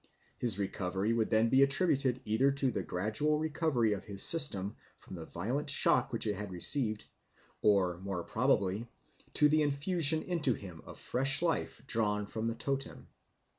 His recovery would then be attributed either to the gradual recovery of his system from the violent shock which it had received, or, more probably, to the infusion into him of fresh life drawn from the totem.